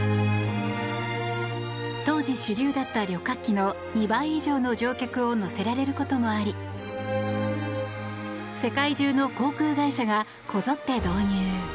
当時主流だった旅客機の２倍以上の乗客を乗せられることもあり世界中の航空会社がこぞって導入。